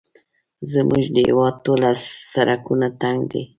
زموږ د هېواد ټوله سړکونه تنګ دي